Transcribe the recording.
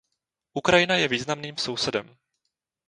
Ukrajina je významným sousedem.